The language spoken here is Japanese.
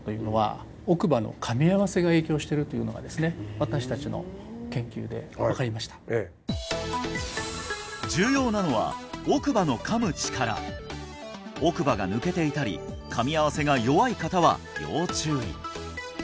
私達の研究で分かりました重要なのは奥歯が抜けていたり噛み合わせが弱い方は要注意！